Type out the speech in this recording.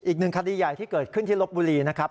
อีกหนึ่งคดีใหญ่ที่เกิดขึ้นที่ลบบุรีนะครับ